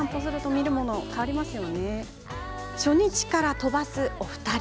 初日から飛ばすお二人。